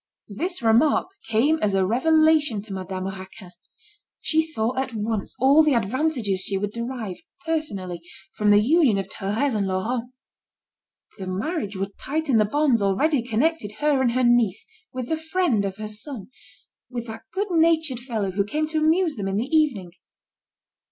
This remark came as a revelation to Madame Raquin. She saw, at once, all the advantages she would derive, personally, from the union of Thérèse and Laurent. The marriage would tighten the bonds already connecting her and her niece with the friend of her son, with that good natured fellow who came to amuse them in the evening.